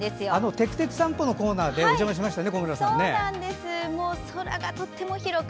「てくてく散歩」のコーナーでお邪魔しましたね。